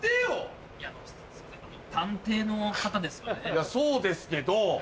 いやそうですけど。